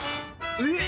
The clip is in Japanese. えっ！